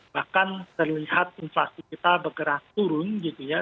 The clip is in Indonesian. bahkan terlihat inflasi kita bergerak turun gitu ya